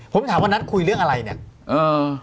ผมถามวันนั้นคุยเรื่องอะไรเนี่ยเออ